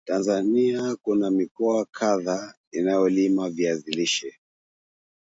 Tanzania kuna mikoa kadhaa inayolima vizi lishe